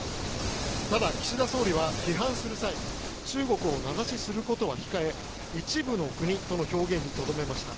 ただ、岸田総理は批判する際中国を名指しすることは控え一部の国との表現にとどめました。